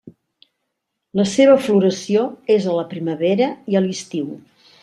La seva floració és a la primavera i a l'estiu.